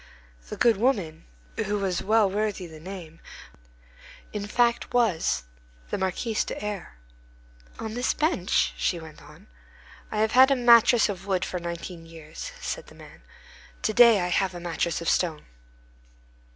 The good woman, who was well worthy the name, in fact, was the Marquise de R—— "On this bench?" she went on. "I have had a mattress of wood for nineteen years," said the man; "to day I have a mattress of stone."